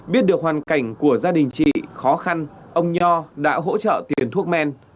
biết được hoàn cảnh của gia đình chị khó khăn ông nho đã hỗ trợ tiền thuốc men